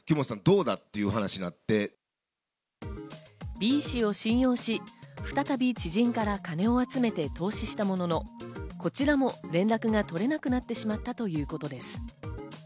Ｂ氏を信用し、再び知人から金を集めて投資したものの、こちらも連絡が取れなくなってしまったということです。